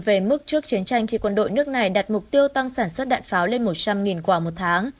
về mức trước chiến tranh khi quân đội nước này đặt mục tiêu tăng sản xuất đạn pháo lên một trăm linh quả một tháng